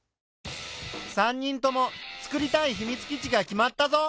３人ともつくりたいひみつ基地が決まったぞ。